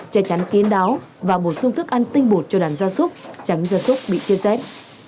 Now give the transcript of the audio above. che chắn kiến đáo và bổ sung thức ăn tinh bột cho đàn gia súc trắng gia súc bị chết rét